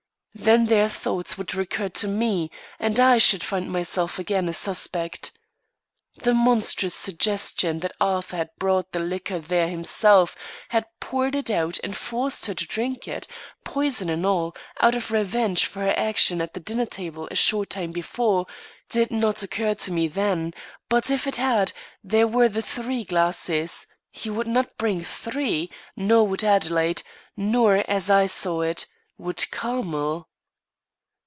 Then their thoughts would recur to me, and I should find myself again a suspect. The monstrous suggestion that Arthur had brought the liquor there himself, had poured it out and forced her to drink it, poison and all, out of revenge for her action at the dinner table a short time before, did not occur to me then, but if it had, there were the three glasses he would not bring three; nor would Adelaide; nor, as I saw it, would Carmel.